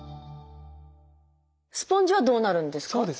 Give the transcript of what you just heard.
スポンジはどうなるんですか？